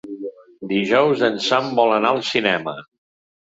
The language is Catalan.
Dijous en Sam vol anar al cinema.